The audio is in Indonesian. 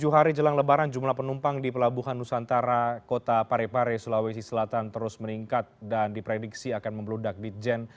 tujuh hari jelang lebaran jumlah penumpang di pelabuhan nusantara kota parepare sulawesi selatan terus meningkat dan diprediksi akan membeludak di jen